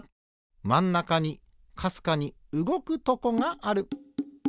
まんなかにかすかにうごくとこがある。